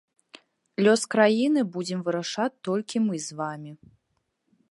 Лёс краіны будзем вырашаць толькі мы з вамі.